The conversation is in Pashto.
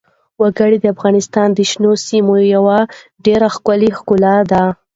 وګړي د افغانستان د شنو سیمو یوه ډېره ښکلې ښکلا ده.